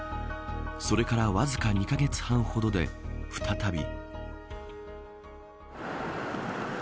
それから、わずか２カ月半ほどで再び。